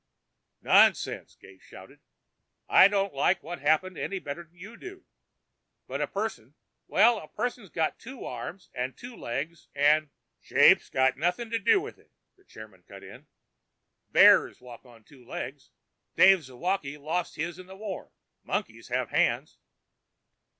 "Nonsense!" Gates shouted. "I don't like what happened any better than you do but a person well, a person's got two arms and two legs and " "Shape's got nothing to do with it," the chairman cut in. "Bears walk on two legs! Dave Zawocky lost his in the war. Monkeys have hands."